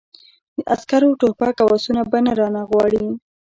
د عسکرو ټوپک او آسونه به نه رانه غواړې!